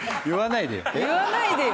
言わないでよ。